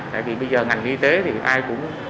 tại vì bây giờ ngành y tế thì ai cũng